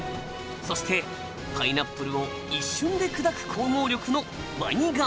そしてパイナップルを一瞬で砕く咬合力のワニガメ。